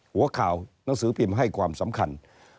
หัวข่าวหนังสือพิมพ์ให้ความสำคัญ